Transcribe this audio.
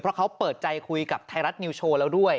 เพราะเขาเปิดใจคุยกับไทยรัฐนิวโชว์แล้วด้วย